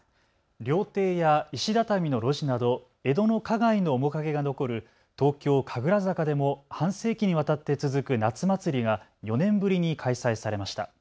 料亭や石畳の路地など江戸の花街の面影が残る東京神楽坂でも半世紀にわたって続く夏祭りが４年ぶりに開催されました。